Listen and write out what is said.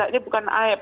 ini bukan aib